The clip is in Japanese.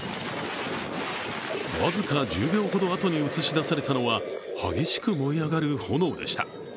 僅か１０秒ほどあとに映し出されたのは、激しく燃え上がる炎でした。